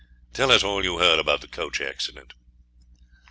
Tell us all you heard about the coach accident.'